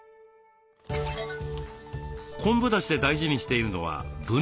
昆布だしで大事にしているのは分量。